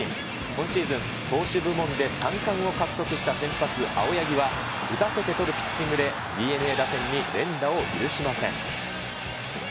今シーズン、投手部門で三冠を獲得した先発、青柳は、打たせて取るピッチングで、ＤｅＮＡ打線に連打を許しません。